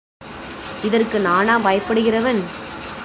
இதற்கு நானா பயப்படுகிறவன்?